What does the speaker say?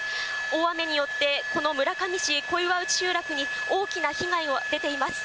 大雨によって、この村上市小岩内集落に大きな被害が出ています。